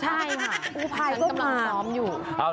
ใช่ค่ะกูภายก็มา